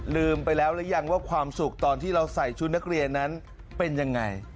ลืมไปแล้วหรือยังว่าความสุขตอนที่เราใส่ชุดนักเรียนนั้นเป็นยังไง